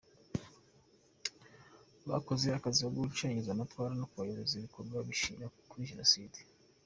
Bakoze akazi ko gucengeza amatwara no kuyobora ibikorwa biganisha kuri jenoside.